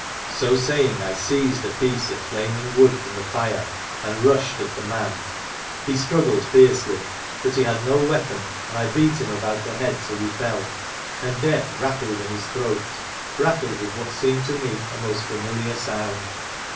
So saying I seized a piece of flaming wood from the fire, and rushed at the man. He struggled fiercely, but he had no weapon, and I beat him about the head till he fell, and death rattled in his throat rattled with what seemed to me a most familiar sound.